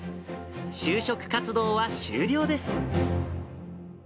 就職活動は終了です。